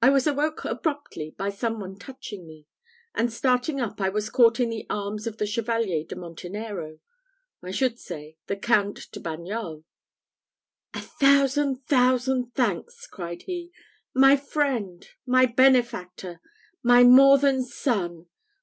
I was awoke abruptly by some one touching me; and, starting up, I was caught in the arms of the Chevalier de Montenero I should say, the Count de Bagnols. "A thousand thousand thanks!" cried he, "my friend, my benefactor, my more than son!